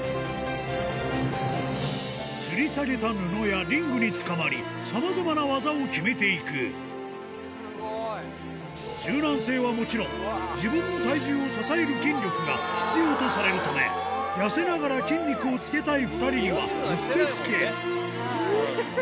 つり下げた布やリングにつかまりさまざまな技を決めていく柔軟性はもちろん自分の体重を支える筋力が必要とされるため痩せながら筋肉をつけたい２人にはうってつけ